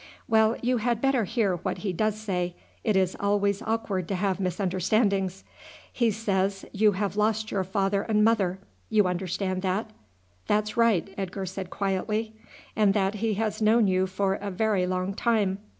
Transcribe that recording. "Well, you had better hear what he does say. It is always awkward to have misunderstandings. He says you have lost your father and mother; you understand that?" "That's right," Edgar said quietly. "And that he has known you for a very long time?"